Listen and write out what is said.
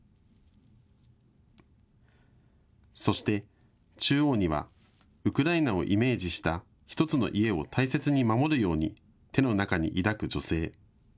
そして中央にはウクライナをイメージした１つの家を大切に守るように手の中に抱く女性。